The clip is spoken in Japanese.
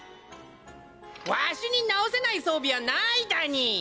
わしに直せない装備はないだに！